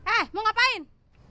eh mau ngapain